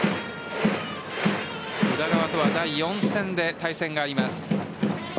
宇田川とは第４戦で対戦があります。